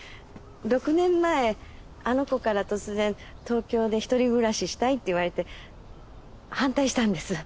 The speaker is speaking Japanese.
６年前あの子から突然東京で１人暮らししたいって言われて反対したんです。